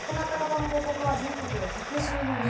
亡くなった方の報告は全国で１１４人。